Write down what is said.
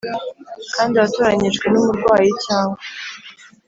Kandi watoranyijwe n umurwayi cyangwa